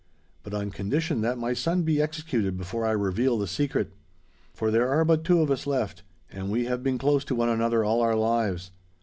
But on condition that my son be executed before I reveal the secret. For there are but two of us left, and we have been close to one another all our lives.